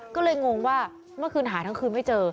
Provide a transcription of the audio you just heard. ก็เลยงงว่าเมื่อคืนหาทั้งคืนไม่เจอ